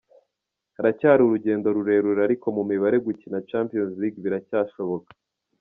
Haracyari urugendo rurerure ariko mu mibare gukina Champions League biracyashoboka.